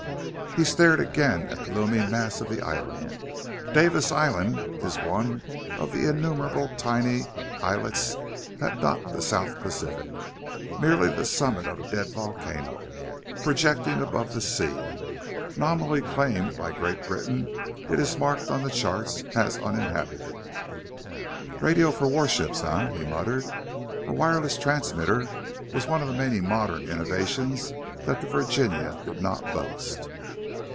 He stared again at the looming mass of the island. Davis Island is one of the innumerable tiny islets that dot the South Pacific; merely the summit of a dead volcano, projecting above the sea. Nominally claimed by Great Britain, it is marked on the charts as uninhabited. "Radio for warships, eh?" he muttered. A wireless transmitter was one of many modern innovations that the Virginia did not boast.